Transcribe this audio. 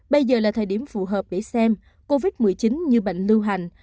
bây giờ là thời điểm phù hợp để xem covid một mươi chín như bệnh lưu hành